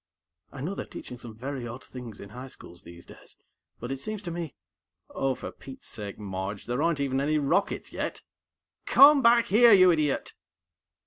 I know they're teaching some very odd things in high schools these days, but it seems to me...." "Oh, for Pete's sake, Marge, there aren't even any rockets yet! _Come back here, you idiot!